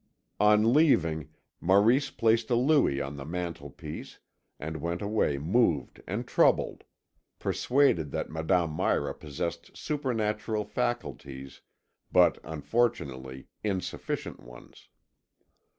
On leaving Maurice placed a louis on the mantelpiece and went away moved and troubled, persuaded that Madame Mira possessed supernatural faculties, but unfortunately insufficient ones.